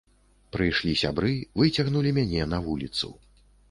Прыйшлі сябры і выцягнулі мяне на вуліцу.